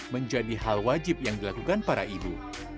menjadi hal wajib yang dilakukan para ibu